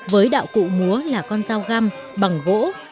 với đạo cụ múa là con dao găm bằng gỗ